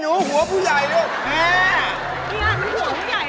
ตูหัวผู้ใหญ่ดูเล่นตรงนี้เนี่ย